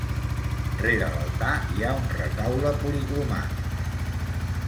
Rere l'altar hi ha un retaule policromat.